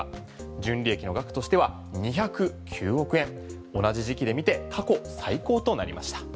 純利益の額としては２０９億円同じ時期で見て過去最高となりました。